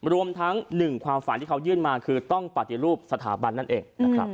รวมทั้ง๑ความฝันที่เขายื่นมาคือต้องปฏิรูปสถาบันนั่นเองนะครับ